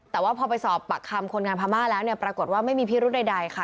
แต่ว่าพอไปสอบปากคำคนงานพม่าแล้วเนี่ยปรากฏว่าไม่มีพิรุธใดค่ะ